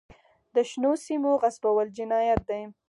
د شنو سیمو غصبول جنایت دی.